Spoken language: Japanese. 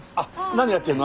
何やってんの？